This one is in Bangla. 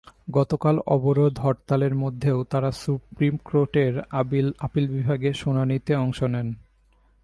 গতকাল অবরোধ-হরতালের মধ্যেও তাঁরা সুপ্রিম কোর্টের আপিল বিভাগে শুনানিতে অংশ নেন।